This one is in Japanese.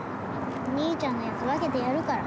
兄ちゃんのやつ分けてやるから」